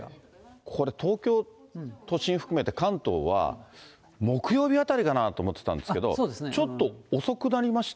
これ、東京都心含めて関東は、木曜日辺りかなと思ってたんですけど、ちょっと遅くなりました？